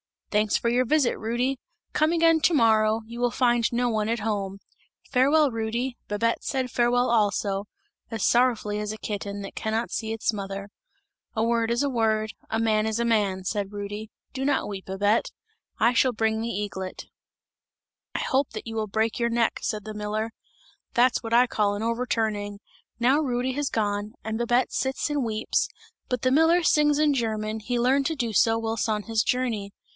"'Thanks for your visit, Rudy! Come again to morrow, you will find no one at home. Farewell, Rudy!' Babette said farewell also, as sorrowfully as a kitten, that cannot see its mother. 'A word is a word, a man is a man,' said Rudy, 'do not weep Babette, I shall bring the eaglet!' 'I hope that you will break your neck!' said the miller. That's what I call an overturning! Now Rudy has gone, and Babette sits and weeps; but the miller sings in German, he learned to do so whilst on his journey!